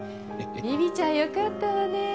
ビビちゃんよかったわねえ